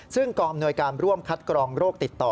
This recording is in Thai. ซึ่งกองอำนวยการร่วมคัดกรองโรคติดต่อ